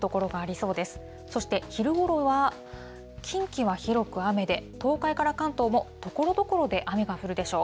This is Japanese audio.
そして昼頃は、近畿は広く雨で、東海から関東もところどころで雨が降るでしょう。